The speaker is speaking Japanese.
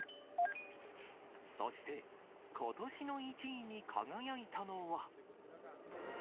そして、ことしの１位に輝いたのは。